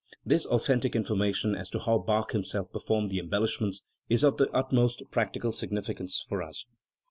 This authen tic information as to how Bach himself performed the em bellishments is of the utmost practical significance for us.